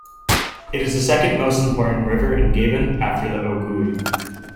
It is the second most important river in Gabon after the Ogooue.